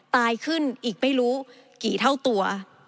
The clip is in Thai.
ตายขึ้นอีกไม่รู้กี่เท่าตัว